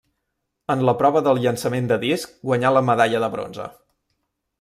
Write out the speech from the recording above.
En la prova del llançament de disc guanyà la medalla de bronze.